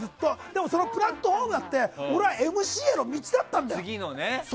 でも、そのプラットホームだってＭＣへの道だったんだよ。